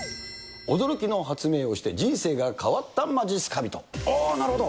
驚きの発明をして人生が変わったおお、なるほど。